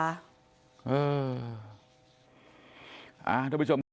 เออทุกผู้ชม